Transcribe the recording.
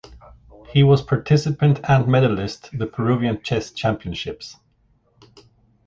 He was participant and medalist the Peruvian Chess Championships.